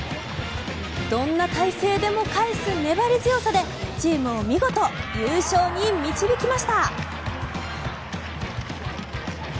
どんな体勢でも返す粘り強さでチームを見事優勝に導きました。